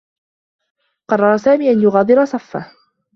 قرّر سامي أن يغادر صفّه.